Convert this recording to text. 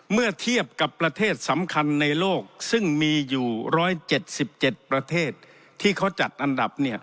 เมื่อเทียบกับประเทศสำคัญในโลกซึ่งมีอยู่๑๗๗ประเทศที่เขาจัดอันดับ